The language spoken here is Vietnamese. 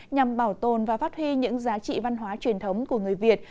nhằm bảo tồn và phát huy những giá trị văn hóa truyền thống của người việt